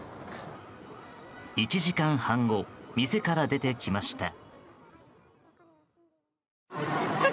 １時間半後店から出てきました。